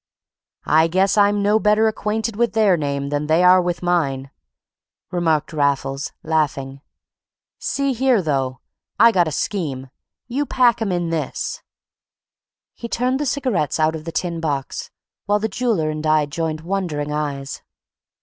"I guess I'm no better acquainted with their name than they are with mine," remarked Raffles, laughing. "See here, though! I got a scheme. You pack 'em in this!" He turned the cigarettes out of the tin box, while the jeweller and I joined wondering eyes.